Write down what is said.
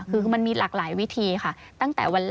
คือมันมีหลากหลายวิธีค่ะ